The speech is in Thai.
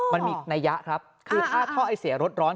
มันมีนัยยะครับคือถ้าท่อไอเสียรถร้อน